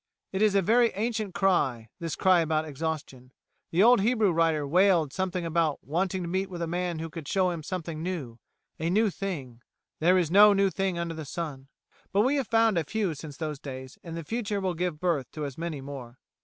It is a very ancient cry this cry about exhaustion. The old Hebrew writer wailed something about wanting to meet with a man who could show him a new thing. A new thing? "There is no new thing under the Sun." But we have found a few since those days, and the future will give birth to as many more.